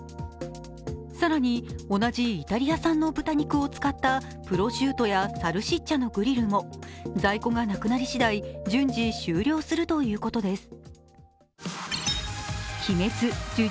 更に同じイタリア産の豚肉を使ったプロシュートやサルシッチャのグリルも在庫がなくなり次第、順次終了するということです。